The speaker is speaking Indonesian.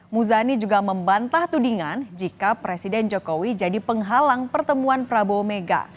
muzani juga membantah tudingan jika presiden jokowi jadi penghalang pertemuan prabowo mega